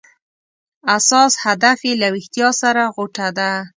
اساس هدف یې له ویښتیا سره غوټه ده.